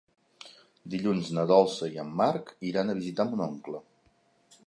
Dilluns na Dolça i en Marc iran a visitar mon oncle.